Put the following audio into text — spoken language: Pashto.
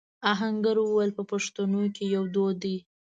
آهنګر وويل: په پښتنو کې يو دود دی.